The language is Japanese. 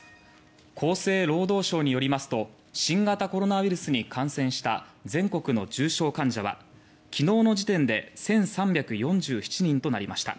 厚生労働省によりますと新型コロナウイルスに感染した全国の重症患者はきのうの時点で１３４７人となりました。